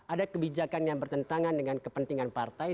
ada kebijakan yang bertentangan dengan kepentingan partai